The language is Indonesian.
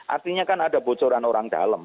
artinya kan ada bocoran orang dalam